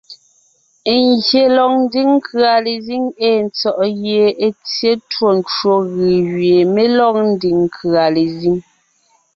Ngyè lɔg ńdiŋ nkʉ̀a lezíŋ èe tsɔ̀ʼ gie è tsyé twó ncwò gʉ̀ gẅie mé lɔg ńdiŋ nkʉ̀a lezíŋ.